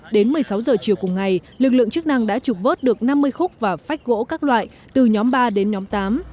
đến một mươi sáu giờ chiều cùng ngày lực lượng chức năng đã trục vớt được năm mươi khúc và phách gỗ các loại từ nhóm ba đến nhóm tám